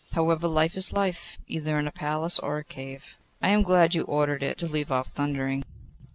However, life is life, either in a palace or a cave. I am glad you ordered it to leave off thundering.